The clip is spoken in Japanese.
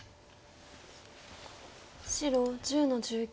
白１０の十九。